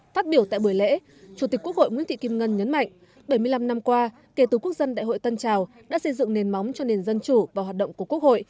phát biểu tại buổi lễ chủ tịch quốc hội nguyễn thị kim ngân nhấn mạnh bảy mươi năm năm qua kể từ quốc dân đại hội tân trào đã xây dựng nền móng cho nền dân chủ và hoạt động của quốc hội